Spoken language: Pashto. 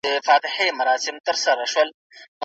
بل ته تر ځان ترجیح ورکړئ.